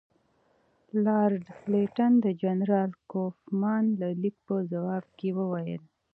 لارډ لیټن د جنرال کوفمان د لیک په ځواب کې وویل.